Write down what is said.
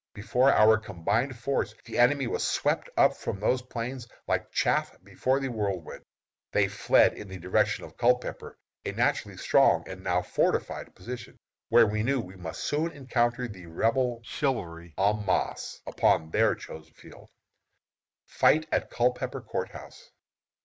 Before our combined force the enemy was swept from those plains like chaff before the whirlwind. They fled in the direction of Culpepper, a naturally strong and now fortified position, where we knew we must soon encounter the Rebel chivalry en masse upon their chosen field. FIGHT AT CULPEPPER COURT HOUSE.